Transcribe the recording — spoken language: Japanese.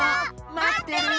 まってるよ！